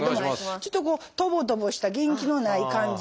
ちょっとこうとぼとぼした元気のない感じ。